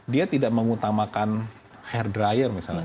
dia tidak mengutamakan hair dryer misalnya